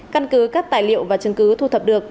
căn cứ các tài liệu và chứng cứ thu thập được